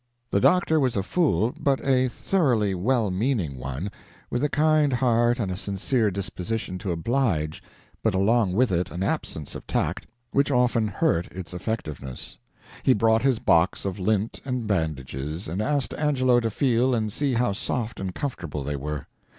The doctor was a fool, but a thoroughly well meaning one, with a kind heart and a sincere disposition to oblige, but along with it an absence of tact which often hurt its effectiveness. He brought his box of lint and bandages, and asked Angelo to feel and see how soft and comfortable they were.